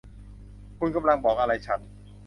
คุณกำลังบอกอะไรฉัน